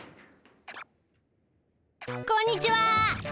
こんにちは。